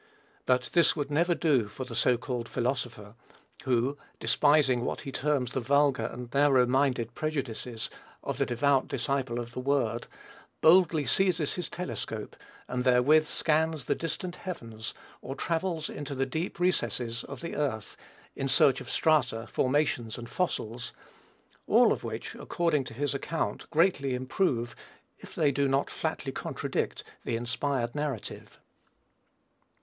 But this would never do for the so called philosopher, who, despising what he terms the vulgar and narrow minded prejudices of the devout disciple of the Word, boldly seizes his telescope, and therewith scans the distant heavens, or travels into the deep recesses of earth in search of strata, formations and fossils, all of which, according to his account, greatly improve, if they do not flatly contradict, the inspired narrative.